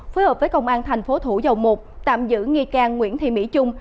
phối hợp với công an thành phố thủ dầu một tạm giữ nghi can nguyễn thị mỹ trung